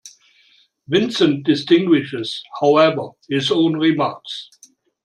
Vincent distinguishes, however, his own remarks.